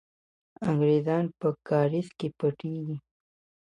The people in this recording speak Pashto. انګریزان په کارېز کې پټېږي.